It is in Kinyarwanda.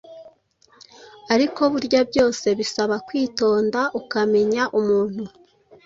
ariko burya byose bisaba kwitonda ukamenya umuntu,